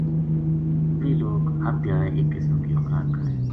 ویہ لوک ہر دھیاڑے ایک قسم کی خوراک کھائے